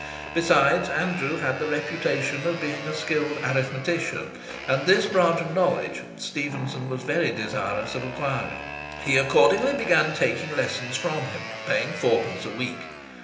Besides, Andrew had the reputation of being a skilled arithmetician; and this branch of knowledge Stephenson was very desirous of acquiring. He accordingly began taking lessons from him, paying fourpence a week.